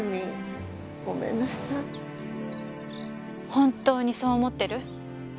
本当にそう思ってる？